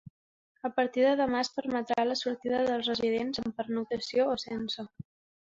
A partir de demà es permetrà la sortida dels residents amb pernoctació o sense.